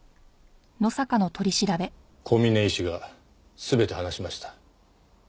小峰医師が全て話しました。